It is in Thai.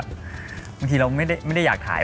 บางทีเราไม่ได้อยากถ่าย